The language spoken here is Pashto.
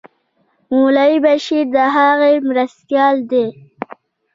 مولوي بشیر د هغه مرستیال دی.